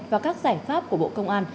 và các giải pháp của bộ công an